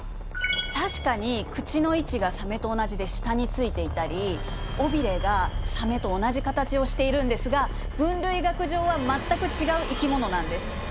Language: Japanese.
確かに口の位置がサメと同じで下についていたり尾ビレがサメと同じ形をしているんですが分類学上は全く違う生き物なんです。